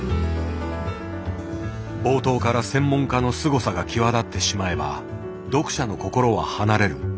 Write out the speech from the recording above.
冒頭から専門家のすごさが際立ってしまえば読者の心は離れる。